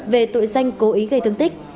về tội danh cố ý gây thương tích